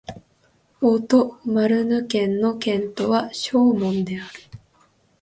オート＝マルヌ県の県都はショーモンである